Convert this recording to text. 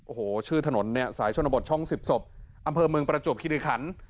โอ้โหชื่อถนนเนี่ยสายชนบทช่อง๑๐ศพอำเภอเมืองประจวบคิริขัน